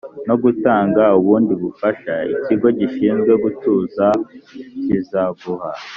no gutanga ubundi bufasha ikigo gishinzwe gutuza kizaguha